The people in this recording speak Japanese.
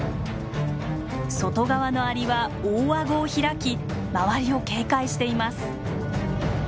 外側のアリは大顎を開き周りを警戒しています。